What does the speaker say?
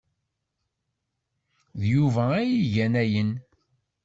D Yuba ay igan ayen.